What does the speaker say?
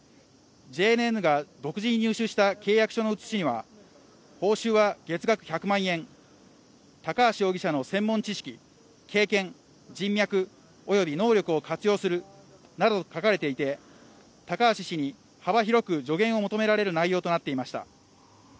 ＪＮＮが独自に入手した契約書の写しには報酬は月額１００万円高橋容疑者の専門知識、経験、人脈及び能力を活用するなどと書かれていて高橋氏に幅広く助言を求められる内容となっていました。